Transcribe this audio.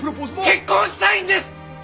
結婚したいんです！